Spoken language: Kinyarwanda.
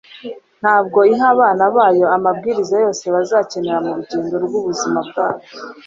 Ntabwo iha abana bayo amabwiriza yose bazakenera mu rugendo rw'ubuzima bwabo